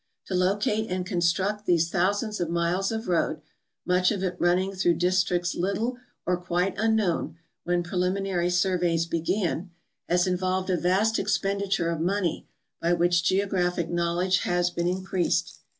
To locate and construct these thousands of miles of road, much of it run ning through districts little or quite unknown when preliminary surveys began, has involved a vast expenditure of money by which geographic knowledge has been increased.